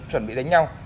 chuẩn bị đánh nhau